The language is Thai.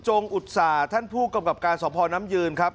อุตส่าห์ท่านผู้กำกับการสภน้ำยืนครับ